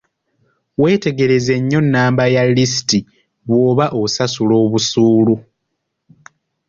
Weetegereze nnyo nnamba ya lisiiti bw'oba osasula obusuulu.